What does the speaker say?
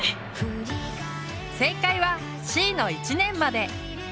正解はＣの「１年まで」。